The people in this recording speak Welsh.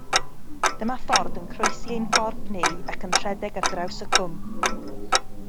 Dyma ffordd yn croesi ein ffordd ni, ac yn rhedeg ar draws y cwm.